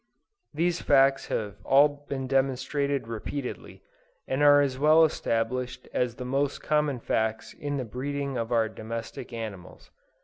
These facts have all been demonstrated repeatedly, and are as well established as the most common facts in the breeding of our domestic animals.